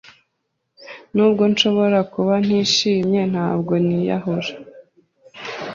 Nubwo nshobora kuba ntishimye, ntabwo niyahura.